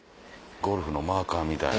ゴルフのマーカーみたい。